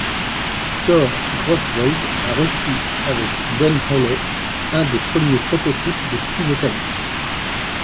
Thor Groswold a conçu avec Don Holley, un des premiers prototypes de ski métallique.